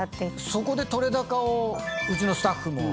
そこで撮れ高をうちのスタッフも。